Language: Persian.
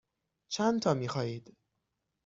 چندتا می خواهید؟